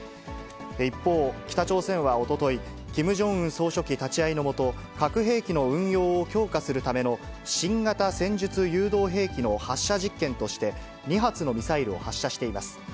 一方、北朝鮮はおととい、キム・ジョンウン総書記立ち会いの下、核兵器の運用を強化するための新型戦術誘導兵器の発射実験として、２発のミサイルを発射しています。